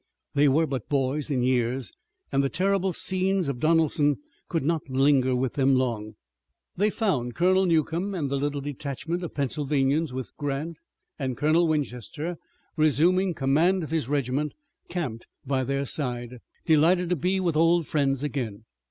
They were but boys in years, and the terrible scenes of Donelson could not linger with them long. They found Colonel Newcomb and the little detachment of Pennsylvanians with Grant, and Colonel Winchester, resuming command of his regiment, camped by their side, delighted to be with old friends again.